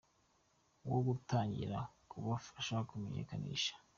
wo gutangira kubafasha kumenyekanisha.